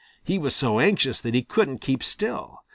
He was so anxious that he couldn't keep still.